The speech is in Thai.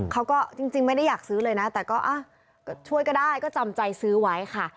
เขาก็จริงไม่ได้อยากซื้อเลยนะแต่ก็ช่วยก็ได้ก็จำใจซื้อไว้ค่ะ